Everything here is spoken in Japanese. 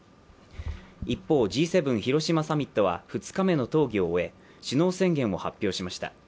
一方、Ｇ７広島サミットは２日目の討議を終え首脳宣言を発表しました。